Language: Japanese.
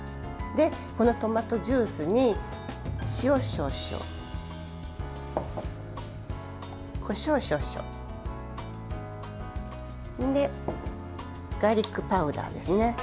このトマトジュースに塩少々、こしょう少々ガーリックパウダーですね。